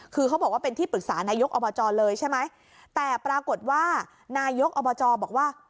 คือเขาบอกว่าเป็นที่ปรึกษานายกอบจเลยใช่ไหมแต่ปรากฏว่านายกอบจบอกว่า